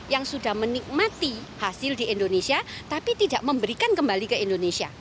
yang sudah menikmati hasil di indonesia tapi tidak memberikan kembali ke indonesia